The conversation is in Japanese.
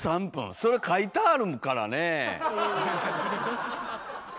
それ書いてあるからね。